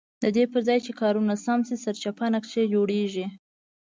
ددې پرځای چې کارونه سم شي سرچپه نقشې جوړېږي.